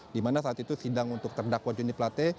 dimana saat itu sidang untuk terdakwa juni plate